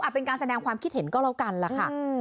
เป็นการแสดงความคิดเห็นก็แล้วกันล่ะค่ะ